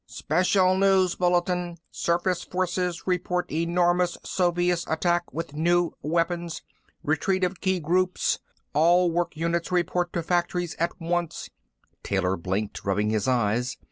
"Special news bulletin! Surface forces report enormous Soviet attack with new weapons! Retreat of key groups! All work units report to factories at once!" Taylor blinked, rubbing his eyes.